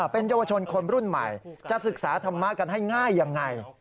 เป็นเยาวชนคนรุ่นใหม่จะศึกษาธรรมะกันให้ง่ายยังไง